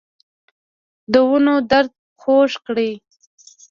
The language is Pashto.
دونو درد خوږ کړی